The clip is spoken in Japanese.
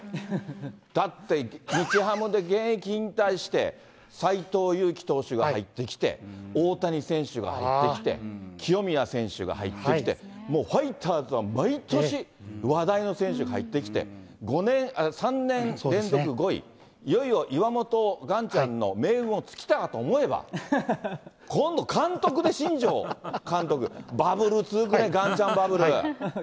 だって日ハムで現役引退して、斎藤佑樹投手が入ってきて、大谷選手が入ってきて、清宮選手が入ってきて、もうファイターズは毎年、話題の選手入ってきて、３年連続５位、いよいよ岩本ガンちゃんの命運も尽きたかと思えば、今度監督で新庄監督、バブル続くね、ガンちゃんバブル。